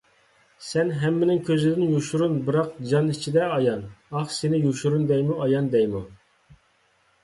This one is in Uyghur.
سەن ھەممىنىڭ كۆزىدىن يوشۇرۇن، بىراق جان ئىچىدە ئايان، ئاھ، سېنى يوشۇرۇن دەيمۇ، ئايان دەيمۇ؟